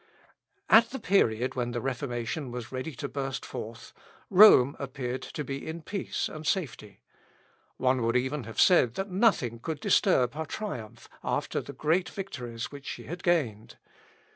At the period when the Reformation was ready to burst forth, Rome appeared to be in peace and safety. One would even have said that nothing could disturb her triumph after the great victories which she had gained.